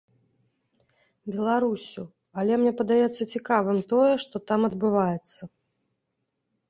Беларуссю, але мне падаецца цікавым тое, што там адбываецца.